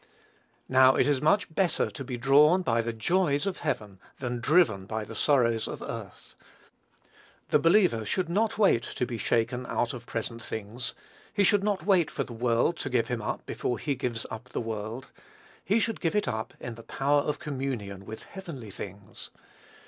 Now it is much better to be drawn by the joys of heaven, than driven by the sorrows of earth. The believer should not wait to be shaken out of present things. He should not wait for the world to give him up before he gives up the world. He should give it up in the power of communion with heavenly things.